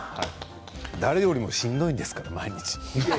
誰よりもしんどいですから毎日。